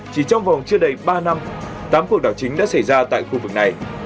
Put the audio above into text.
chỉ trong vòng chưa đầy ba năm tám cuộc đảo chính đã xảy ra tại khu vực này